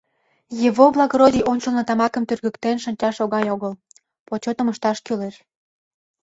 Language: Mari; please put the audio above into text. Его благородий ончылно тамакым тӱргыктен шинчаш оҥай огыл, почетым ышташ кӱлеш.